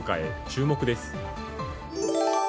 注目です。